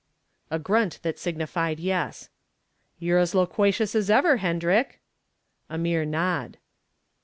A grunt that signified yes. "You're as loquacious as ever, Hendrick." A mere nod.